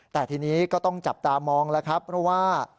แต่ทีนี้ก็ต้องจับตามองแล้วครับเพราะว่า